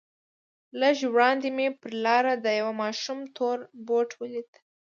لږ وړاندې مې پر لاره د يوه ماشوم تور بوټ ولېد.